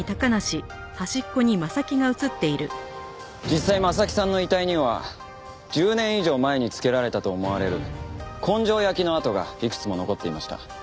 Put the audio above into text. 実際征木さんの遺体には１０年以上前に付けられたと思われる根性焼きの痕がいくつも残っていました。